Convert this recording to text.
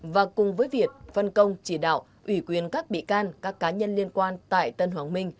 và cùng với việt phân công chỉ đạo ủy quyền các bị can các cá nhân liên quan tại tân hoàng minh